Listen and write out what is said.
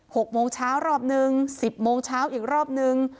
หกโมงเช้ารอบหนึ่งสิบโมงเช้าอีกรอบนึง